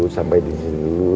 sampai disini dulu